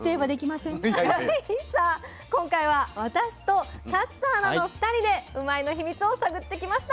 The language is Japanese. さあ今回は私と竜田アナの２人でうまいッ！のヒミツを探ってきました。